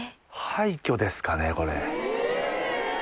廃墟ですかねこれ。